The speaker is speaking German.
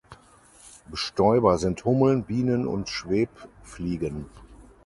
Bestäuber sind Hummeln, Bienen und Schwebfliegen.